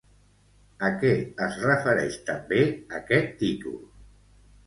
A què es refereix també aquest títol?